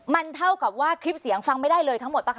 มันเท่ากับว่าคลิปเสียงฟังไม่ได้เลยทั้งหมดป่ะค